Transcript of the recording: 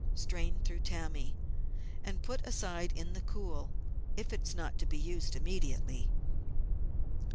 Strain through tammy, and put aside in the cool if it is not to be used immediately.